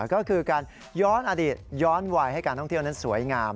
ก็คือการย้อนอดีตย้อนวัยให้การท่องเที่ยวนั้นสวยงาม